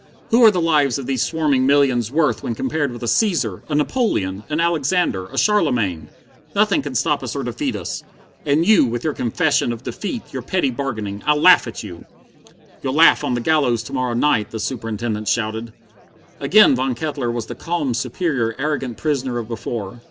what are the lives of these swarming millions worth when compared with a Caesar, a Napoleon, an Alexander, a Charlemagne? Nothing can stop us or defeat us. And you, with your confession of defeat, your petty bargaining I laugh at you!" "You'll laugh on the gallows to morrow night!" the Superintendent shouted. Again Von Kettler was the calm, superior, arrogant prisoner of before.